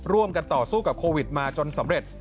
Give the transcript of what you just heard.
ต่อสู้กับโควิดมาจนสำเร็จ